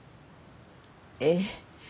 ええ。